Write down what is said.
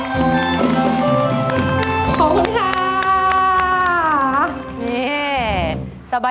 ขอบคุณค่ะ